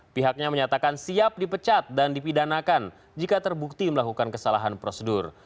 pihaknya menyatakan siap dipecat dan dipidanakan jika terbukti melakukan kesalahan prosedur